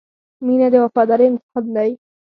• مینه د وفادارۍ امتحان دی.